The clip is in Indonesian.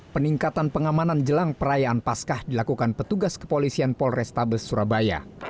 peningkatan pengamanan jelang perayaan paskah dilakukan petugas kepolisian polrestabes surabaya